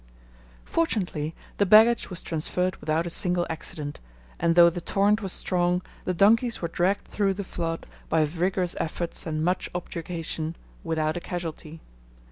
Fortunately the baggage was transferred without a single accident, and though the torrent was strong, the donkeys were dragged through the flood by vigorous efforts and much objurgation without a casualty.